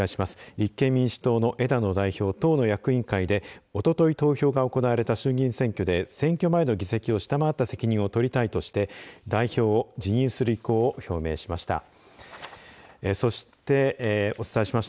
立憲民主党の枝野代表は、党の役員会でおととい投票が行われた衆議院選挙で選挙前の議席を下回った責任を取りたいとして代表を辞任する意向を表明しました。